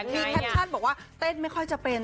มีแคปชั่นบอกว่าเต้นไม่ค่อยจะเป็น